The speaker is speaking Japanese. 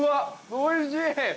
おいしい！